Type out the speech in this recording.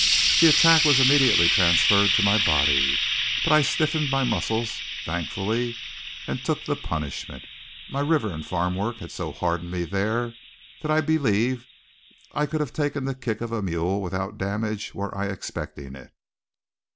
The attack was immediately transferred to my body, but I stiffened my muscles thankfully and took the punishment. My river and farm work had so hardened me there that I believe I could have taken the kick of a mule without damage were I expecting it.